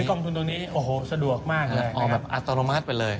ซื้อกองทุนตัวนี้โอ้โหสะดวกมากเลย